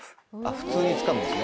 普通につかむんですね。